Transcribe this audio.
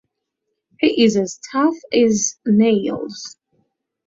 He is as tough as nails.